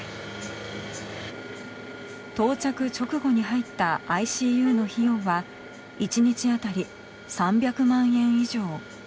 到着直後に入ったＩＣＵの費用は一日あたり３００万円以上。